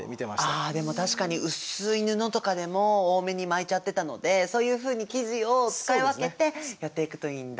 でも確かに薄い布とかでも多めに巻いちゃってたのでそういうふうに生地を使い分けてやっていくといいんだ。